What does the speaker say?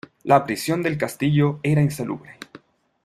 La prisión del castillo era insalubre.